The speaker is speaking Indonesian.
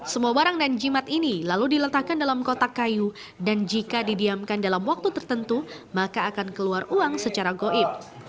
semua barang dan jimat ini lalu diletakkan dalam kotak kayu dan jika didiamkan dalam waktu tertentu maka akan keluar uang secara goib